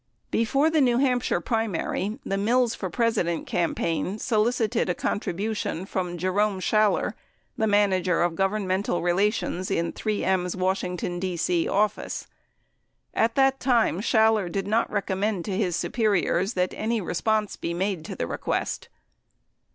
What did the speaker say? Before the New Hampshire primary, the Mills for President cam paign solicited a contribution from Jerome Schaller, the manager of governmental relations in 3 M's Washington, D.C. office. At that time Schaller did not recommend to his superiors that any response be made to the request.